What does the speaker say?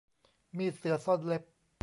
มีดเสือซ่อนเล็บ